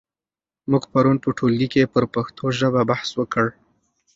موږ پرون په ټولګي کې پر پښتو ژبه بحث وکړ.